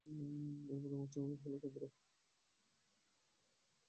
এর মধ্যখানেই হলো কেন্দ্র।